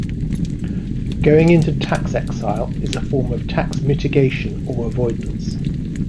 Going into tax exile is a form of tax mitigation or avoidance.